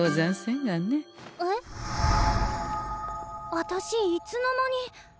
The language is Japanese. あたしいつの間に。